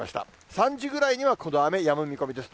３時ぐらいにはこの雨、やむ見込みです。